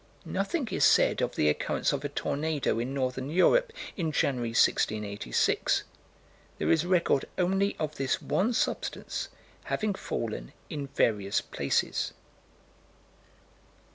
Nothing is said of the occurrence of a tornado in northern Europe, in January, 1686. There is record only of this one substance having fallen in various places.